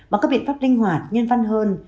bằng các biện pháp linh hoạt nhân văn hơn